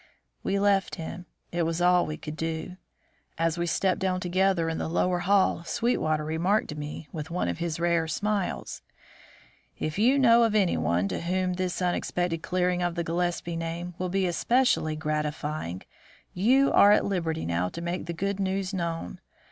We left him. It was all we could do. As we stepped down together into the lower hall, Sweetwater remarked to me, with one of his rare smiles: "If you know of anyone to whom this unexpected clearing of the Gillespie name will be especially gratifying, you are at liberty now to make the good news known.